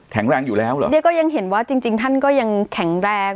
แรงอยู่แล้วเหรอเนี่ยก็ยังเห็นว่าจริงจริงท่านก็ยังแข็งแรง